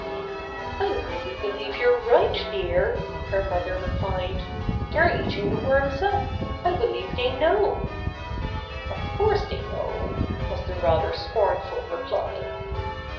"I really believe you're right, dear," her mother replied. "They're eating the worms up. I believe they know." The Birds Try to Save the Tree 60 "Of course, they know," was the rather scornful reply.